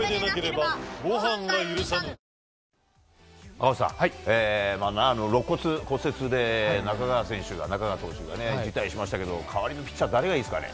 赤星さん、ろっ骨骨折で中川投手が辞退しましたけど代わりのピッチャー誰がいいですかね。